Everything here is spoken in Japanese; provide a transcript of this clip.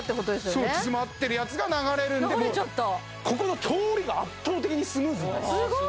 そう詰まってるやつが流れるんでもうここの通りが圧倒的にスムーズになります